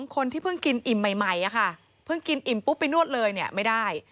คนที่เพิ่งกินอิ่มใหม่เพิ่งกินอิ่มปุ๊บไปนวดเลยเนี่ยไม่ได้